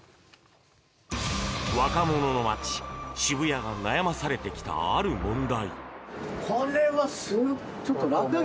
若者の街、渋谷が悩まされ続けてきた、ある問題。